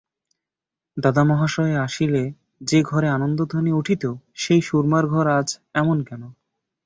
দাদামহাশয় আসিলে যে-ঘরে আনন্দধ্বনি উঠিত– সেই সুরমার ঘর আজ এমন কেন?